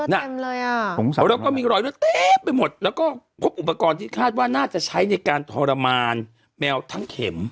เต็มเลยอ่ะสงสัยแล้วก็มีรอยเลือดเต็มไปหมดแล้วก็พบอุปกรณ์ที่คาดว่าน่าจะใช้ในการทรมานแมวทั้งเข็ม